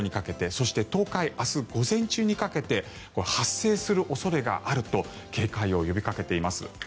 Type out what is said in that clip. そして東海、明日午前中にかけて発生する恐れがあると警戒を呼びかけています。